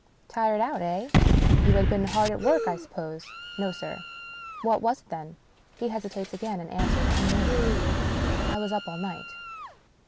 "Tired out, eh? You had been hard at work, I sup pose ?"" No, sir." "What was it, then?" He hesitates again, and answers unwillingly, " I was up all night."